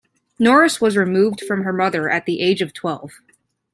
Norris was removed from her mother at the age of twelve.